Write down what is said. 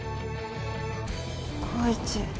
光一。